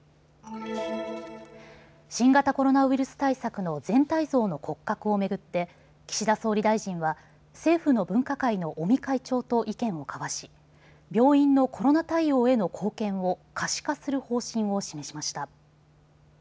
新型コロナウイルス対策の全体像の骨格を巡って岸田総理大臣は政府の分科会の尾身会長と意見を交わし病院のコロナ対応への貢献を可視化する方針を示しました。